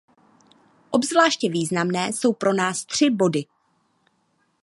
Obzvláště významné jsou pro nás tři body.